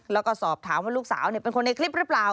แล้วก็สอบถามว่าลูกสาวเป็นคนในคลิปหรือเปล่า